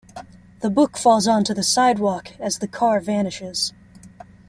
The book falls onto the sidewalk as the car vanishes.